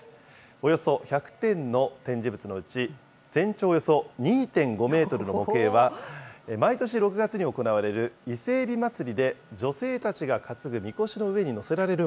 およそ１００点の展示物のうち、全長およそ２．５メートルの模型は、毎年６月に行われる伊勢えび祭で女性たちが担ぐみこしの上に載せ